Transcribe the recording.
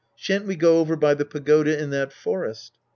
Shan't we go over by the pagoda in that forest